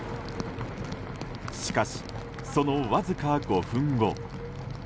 しかし、そのわずか５分後。